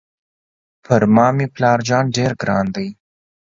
پر ما مې پلار جان ډېر ګران دی.